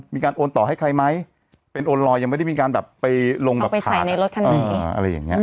มีการโอนต่อให้ใครไหมเป็นโอนลอยยังไม่ได้มีการแบบไปลงแบบไปใส่ในรถคันนี้อะไรอย่างเงี้